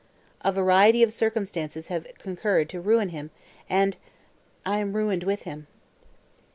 A variety of circumstances have concurred to ruin him, and—I am ruined with him."